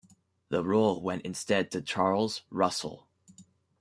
The role went instead to Charles Russell.